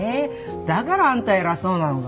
だからあんた偉そうなのか。